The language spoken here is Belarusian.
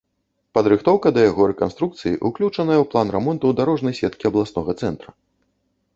Падрыхтоўка да яго рэканструкцыі ўключаная ў план рамонту дарожнай сеткі абласнога цэнтра.